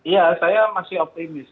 ya saya masih optimis